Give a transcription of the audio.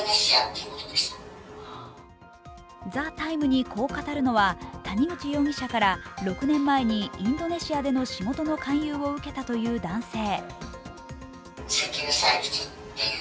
「ＴＨＥＴＩＭＥ，」にこう語るのは谷口容疑者から６年前にインドネシアでの仕事の勧誘を受けたという男性。